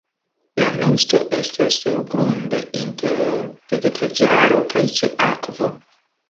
La nesto estas surgrunde inter vegetaĵaro kaj ĉe akvo.